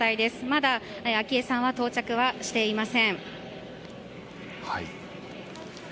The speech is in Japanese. まだ昭恵さんは到着はしていません。